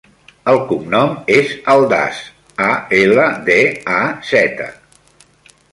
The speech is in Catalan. El cognom és Aldaz: a, ela, de, a, zeta.